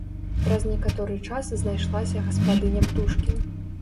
Праз некаторы час знайшлася гаспадыня птушкі.